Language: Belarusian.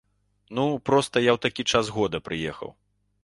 Ну, проста я ў такі час года прыехаў.